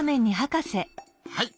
はい。